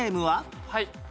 はい。